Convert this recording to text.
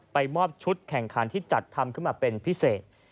มอบชุดแข่งขันที่จัดทำขึ้นมาเป็นพิเศษ